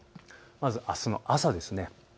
まず、あすの朝です。